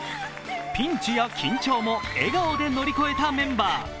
ピンチや緊張も笑顔で乗り越えたメンバー。